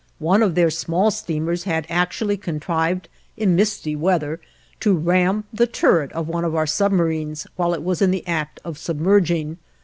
One of their small steamers had actually contrived in misty weather to ram the turret of one of our submarines while it was in the act of submerging.